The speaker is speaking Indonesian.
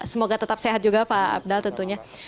semoga tetap sehat juga pak abdal tentunya